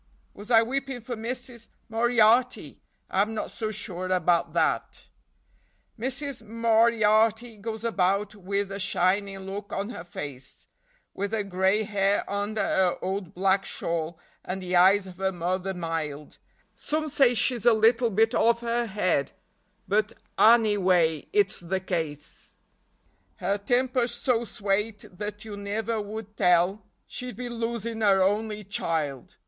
Was I weepin' for Missis Moriarty? I'm not so sure about that. Missis Moriarty goes about wid a shinin' look on her face; Wid her grey hair under her ould black shawl, and the eyes of her mother mild; Some say she's a little bit off her head; but annyway it's the case, Her timper's so swate that you nivver would tell she'd be losin' her only child.